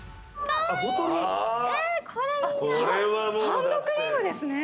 ハンドクリームですね。